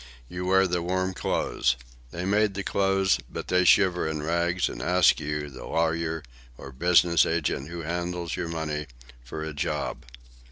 You wear the warm clothes. They made the clothes, but they shiver in rags and ask you, the lawyer, or business agent who handles your money, for a job."